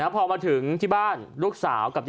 พอมาถึงที่บ้านลูกสาวกับ